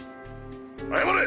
謝れ！